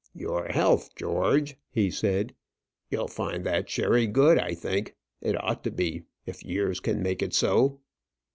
"Your health, George," he said. "You'll find that sherry good, I think. It ought to be, if years can make it so."